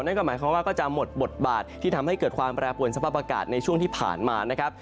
นั่นก็หมายความว่าก็จะหมดบทบาทที่ทำให้เกิดความแปรปวนสภาพอากาศในช่วงที่ผ่านมานะครับ